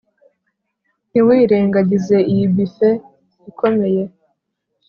ntiwirengagize iyi buffet ikomeye!